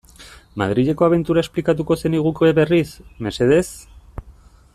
Madrileko abentura esplikatuko zeniguke berriz, mesedez?